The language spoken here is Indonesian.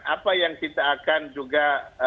apa yang kita akan juga